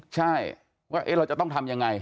ใช่ว่าเราจะต้องทำยังไง